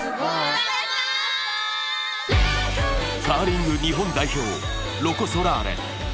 カーリング日本代表、ロコ・ソラーレ。